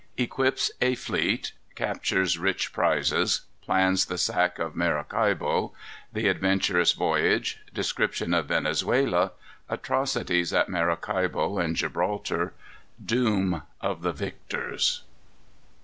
Equips a Fleet. Captures Rich Prizes. Plans the Sack of Maracaibo. The Adventurous Voyage. Description of Venezuela. Atrocities at Maracaibo and Gibraltar. Doom of the Victors.